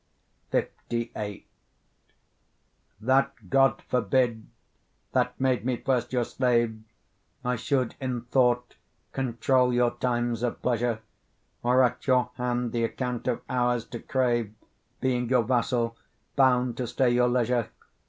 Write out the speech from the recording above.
LVIII That god forbid, that made me first your slave, I should in thought control your times of pleasure, Or at your hand the account of hours to crave, Being your vassal, bound to stay your leisure!